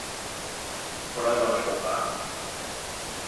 On es van fugar?